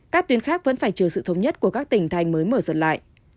các tuyến khác vẫn phải chờ sự thống nhất của các tỉnh thành mới mở rộng lại